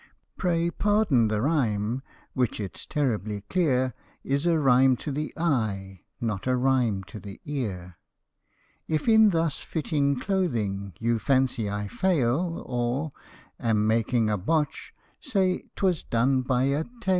Pray pardon the rhyme, which, it 's terribly clear, Is a rhyme to the eye, not a rhyme to the ear. If in thus fitting clothing you fancy I fail, or Am making a botch say 'twas done by a tailor.